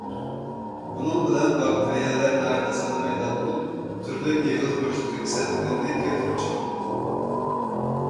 بۇنىڭ بىلەن باكتېرىيەلەر ناھايىتى ئاسانلا پەيدا بولۇپ، تۈرلۈك ئېغىز بوشلۇقى كېسەللىكلىرىنى كەلتۈرۈپ چىقىرىدۇ.